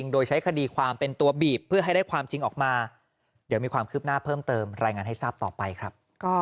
โดยใช้คดีความบีบ